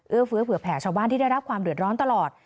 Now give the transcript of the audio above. เฟื้อเผื่อแผ่ชาวบ้านที่ได้รับความเดือดร้อนตลอด